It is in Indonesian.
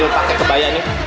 pokoknya juga gak terlalu ketat